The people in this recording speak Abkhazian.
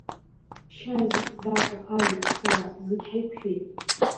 Шьази, Зака, Алик, сара зегь ҳаиқәшәеит.